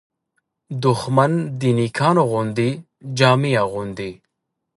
دښمن د نېکانو غوندې جامې اغوندي